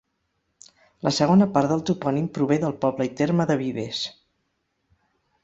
La segona part del topònim prové del poble i terme de Vivers.